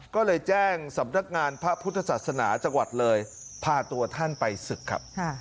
ก็เลยแจ้งสำนักงานพระพุทธศาสนาจังหวัดเลยพาตัวท่านไปศึกครับ